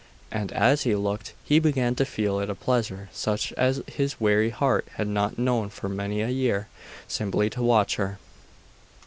And as he looked, he began to feel it a pleasure such as his weary heart had not known for many a year, simply to watch her....